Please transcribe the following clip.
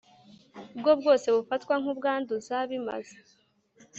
bwo bwose bufatwa nk ubwanduza bimaze